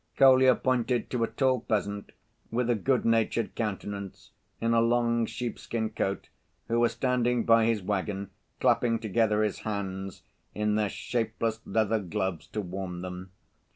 Kolya pointed to a tall peasant, with a good‐natured countenance in a long sheepskin coat, who was standing by his wagon, clapping together his hands, in their shapeless leather gloves, to warm them.